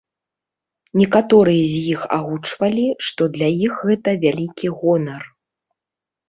Некаторыя з іх агучвалі, што для іх гэта вялікі гонар.